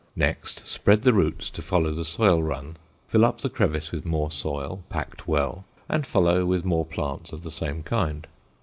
Next spread the roots to follow the soil run; fill up the crevice with more soil, packed well, and follow with more plants of the same kind.